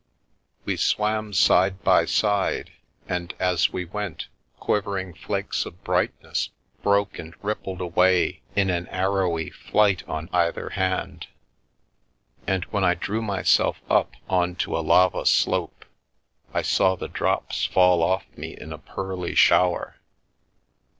We swam side by side, and as we went, quiv ering flakes of brightness broke and rippled away in an arrowy flight on either hand, and when I drew myself up on to a lava slope, I saw the drops fall off me in a pearly shower.